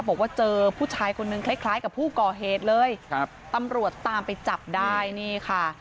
บอกว่าเจอผู้ชายคนนึงคล้ายคล้ายกับผู้ก่อเหตุเลยครับตำรวจตามไปจับได้นี่ค่ะ